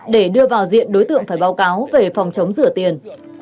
để đưa vào diện đối tượng phải báo cáo về phòng chống rửa tiền